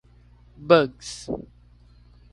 bugs